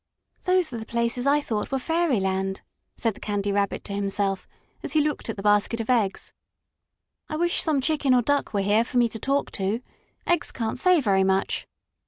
"Those are the places I thought were Fairyland," said the Candy Rabbit to himself, as he looked at the basket of eggs. "I wish some Chicken or Duck were here for me to talk to. Eggs can't say very much."